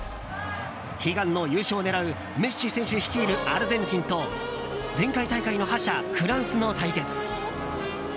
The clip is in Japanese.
悲願の優勝を狙うメッシ選手率いるアルゼンチンと前回大会の覇者、フランスの対決。